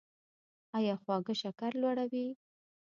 ایا خواږه شکر لوړوي؟